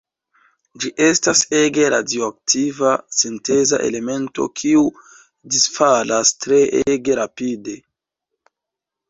Ĝi estas ege radioaktiva sinteza elemento kiu disfalas treege rapide.